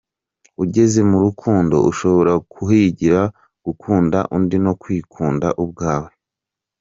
Ugeze mu rukundo ushobora kuhigira gukunda undi no kwikunda ubwawe.